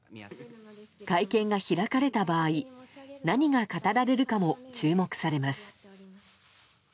会見が開かれた場合何が語られるかも注目されます。